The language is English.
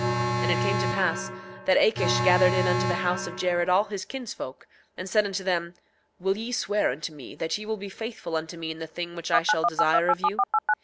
8:13 And it came to pass that Akish gathered in unto the house of Jared all his kinsfolk, and said unto them: Will ye swear unto me that ye will be faithful unto me in the thing which I shall desire of you?